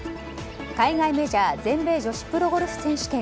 海外メジャー全米女子ゴルフツアー選手権。